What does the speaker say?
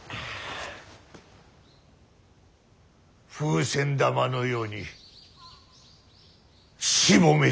風船玉のようにしぼめちゃる。